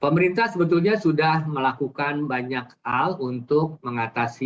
pemerintah sebetulnya sudah melakukan banyak hal untuk mengatasi